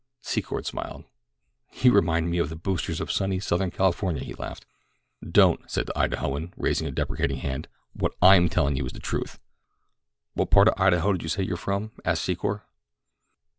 Secor smiled. "You remind me of the boosters of sunny southern California," he laughed. "Don't," said the Idahoan, raising a deprecating hand. "What I'm tellin' you is the truth." "What part of Idaho did you say you are from?" asked Secor.